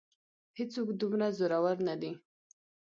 هېڅ څوک دومره زورور نه دی.